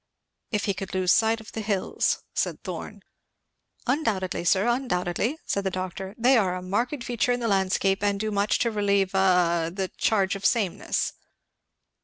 "If he could lose sight of the hills," said Thorn. "Undoubtedly, sir, undoubtedly," said the doctor; "they are a marked feature in the landscape, and do much to relieve a the charge of sameness."